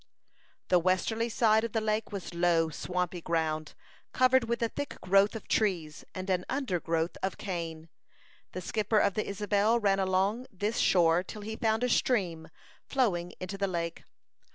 The westerly side of the lake was low, swampy ground, covered with a thick growth of trees and an undergrowth of cane. The skipper of the Isabel ran along this shore till he found a stream flowing into the lake.